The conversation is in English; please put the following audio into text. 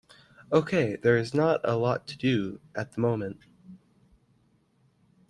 Okay, there is not a lot to do at the moment.